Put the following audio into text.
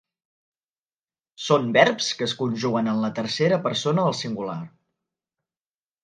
Són verbs que es conjuguen en la tercera persona del singular.